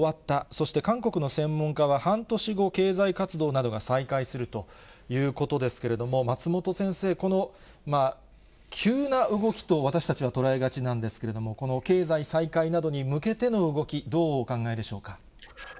そして韓国の専門家は、半年後、経済活動などが再開するということですけれども、松本先生、この急な動きと、私たちは捉えがちなんですけれども、この経済再開などに向けての動き、どうお考えでしょうか。